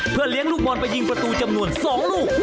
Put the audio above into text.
เพื่อเลี้ยงลูกบอลไปยิงประตูจำนวน๒ลูก